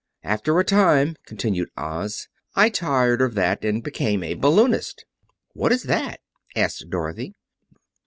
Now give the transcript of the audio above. "After a time," continued Oz, "I tired of that, and became a balloonist." "What is that?" asked Dorothy.